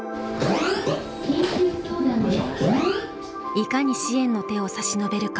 いかに支援の手を差し伸べるか。